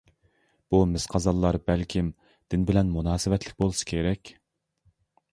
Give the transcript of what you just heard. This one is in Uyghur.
بۇ مىس قازانلار بەلكىم دىن بىلەن مۇناسىۋەتلىك بولسا كېرەك.